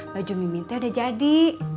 baju mimin teh udah jadi